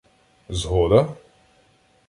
Згода?